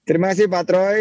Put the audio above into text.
terima kasih pak troy